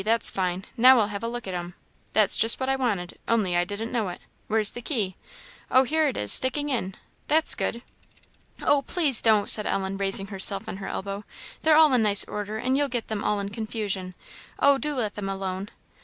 that's fine; now I'll have a look at 'em. That's just what I wanted, only I didn't know it. Where's the key? Oh, here it is, sticking in that's good!" "Oh, please don't!" said Ellen, raising herself on her elbow, "they're all in nice order, and you'll get them all in confusion. Oh, do let them alone!"